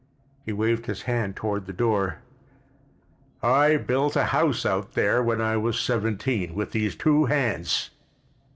He waved his hand toward the door. "I built a house out there when I was seventeen, with these two hands.